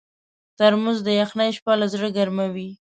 ترموز د یخنۍ شپه له زړه ګرمووي.